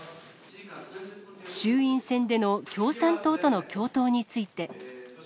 衆院選での共産党との共闘について。